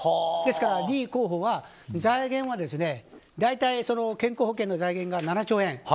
ですから、イ候補は財源は健康保険の財源が７兆円。